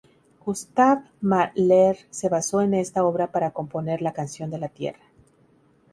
Gustav Mahler se basó en esta obra para componer "La canción de la tierra".